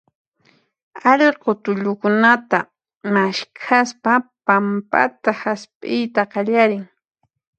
allqu tullukunata maskhaspa pampata hasp'iyta qallarin.